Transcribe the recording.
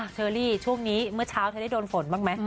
เชอรี่ช่วงนี้เมื่อเช้าเธอได้โดนฝนบ้างไหม